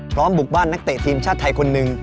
บุกบ้านนักเตะทีมชาติไทยคนหนึ่ง